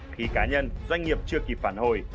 khi cá nhân doanh nghiệp chưa kịp phản hồi